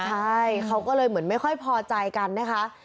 ใช่เขาก็เลยเหมือนไม่ค่อยพอใจกันนะคะ